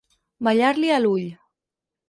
Ballar-li a l'ull.